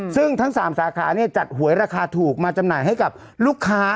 ซึ่งทั้ง๓สาขาจัดหวยราคาถูกมาจำหน่ายให้กับลูกค้า